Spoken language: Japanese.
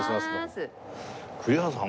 栗原さん